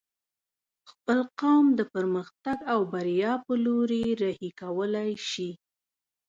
خپل قوم د پرمختګ او بريا په لوري رهي کولی شې